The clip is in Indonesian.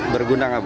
berguna nggak bu